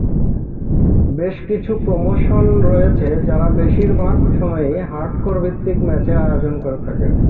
বেশকিছু প্রমোশন রয়েছে যারা বেশিরভাগ সময়ই হার্ডকোর ভিত্তিক ম্যাচের আয়োজন করে থাকে।